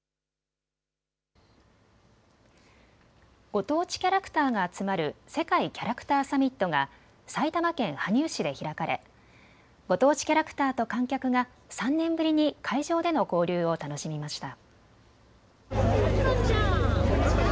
ご当地キャラクターが集まる世界キャラクターさみっとが埼玉県羽生市で開かれご当地キャラクターと観客が３年ぶりに会場での交流を楽しみました。